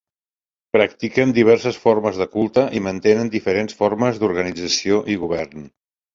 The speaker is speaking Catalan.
Practiquen diverses formes de culte i mantenen diferents formes d'organització i govern.